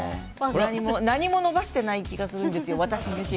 何も伸ばしていない気がするんですよ